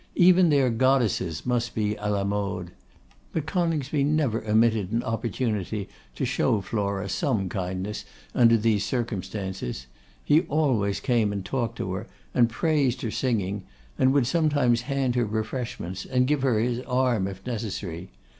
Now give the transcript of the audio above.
Even their goddesses must be à la mode. But Coningsby never omitted an opportunity to show Flora some kindness under these circumstances. He always came and talked to her, and praised her singing, and would sometimes hand her refreshments and give her his arm if necessary.